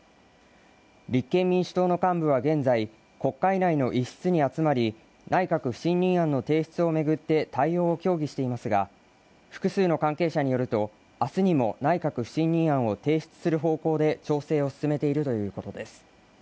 立憲民主党の幹部は現在、国会内の一室に集まり内閣不信任案の提出を巡って対応を協議していますが複数の関係者によると、明日にも内閣不信任案を提出する方向で調整を進めているということです。